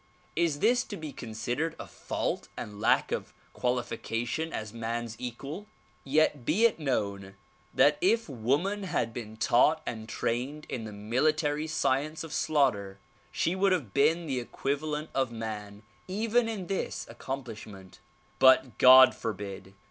Is this to be considered a fault and lack of qualification as man's equal? Yet be it known that if woman had been taught and trained in the military science of slaughter she would have been the equivalent of man even in this accomplishment. But God forbid